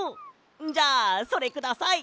じゃあそれください！